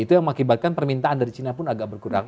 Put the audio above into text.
itu yang mengakibatkan permintaan dari china pun agak berkurang